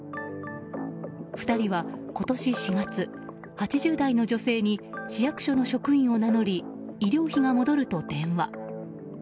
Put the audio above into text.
２人は今年４月、８０代の女性に市役所の職員を名乗り医療費が戻ると電話。